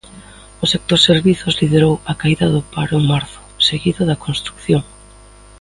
O sector servizos liderou a caída do paro en marzo, seguido da construción.